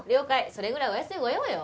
それぐらいお安いご用よ。